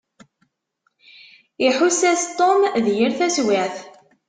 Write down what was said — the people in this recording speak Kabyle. Iḥuss-as Tom d yir taswiɛt.